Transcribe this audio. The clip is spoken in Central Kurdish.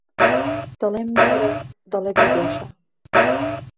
دەڵێم نێرە دەڵێ بیدۆشە